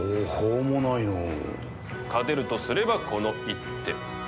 勝てるとすればこの一手。